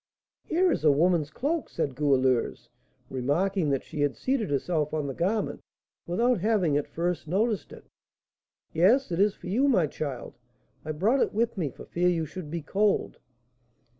"Here is a woman's cloak!" said Goualeuse, remarking that she had seated herself on the garment without having at first noticed it. "Yes, it is for you, my child; I brought it with me for fear you should be cold."